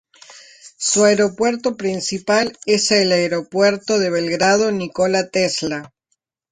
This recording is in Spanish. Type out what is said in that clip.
Su aeropuerto principal es el Aeropuerto de Belgrado-Nikola Tesla.